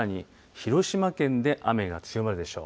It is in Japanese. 広島県で雨が強まるでしょう。